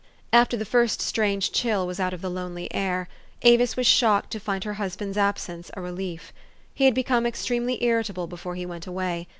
After the first strange chill was out of the lonely air, Avis was shocked to find her husband's absence a relief. He had become extremely irritable before he went away.